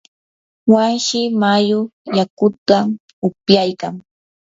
wanshi mayu yakutam upyaykan.